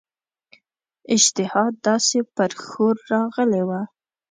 اشتها داسي پر ښور راغلې وه.